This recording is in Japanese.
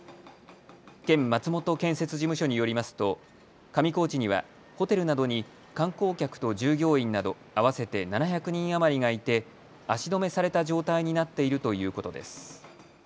県松本建設事務所によりますと上高地にはホテルなどに観光客と従業員など合わせて７００人余りがいて足止めされた状態になっているということです。